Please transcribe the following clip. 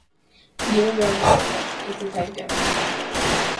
Gilbert's mascot is the tiger.